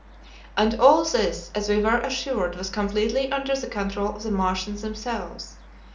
And all this, as we were assured, was completely under the control of the Martians themselves.